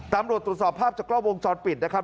ตามรวดตรวจสอบภาพจากกล้อวงจอดปิดนะครับ